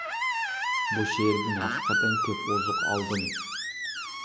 بۇ شېئىردىن ھەقىقەتەن كۆپ ئوزۇق ئالدىم.